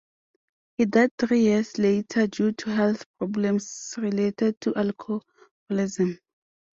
He died three years later due to health problems related to alcoholism.